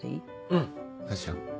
うんそうしよう。